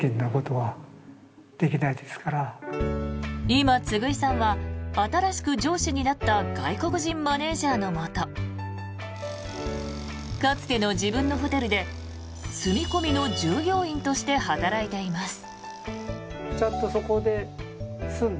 今、次井さんは新しく上司になった外国人マネジャーのもとかつての自分のホテルで住み込みの従業員として働いています。